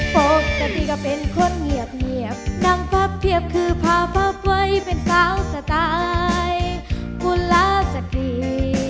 ปกติก็เป็นคนเหงียบเหงียบนั่งภักด์เทียบคือภาพภักด์ไว้เป็นสาวสไตล์ภูลาสกรี